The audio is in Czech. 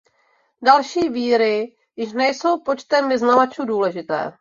Další víry již nejsou počtem vyznavačů důležité.